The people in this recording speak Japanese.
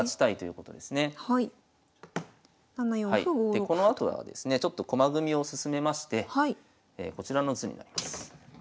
でこのあとはですねちょっと駒組みを進めましてこちらの図になります。